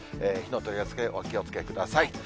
火の取り扱いにお気をつけください。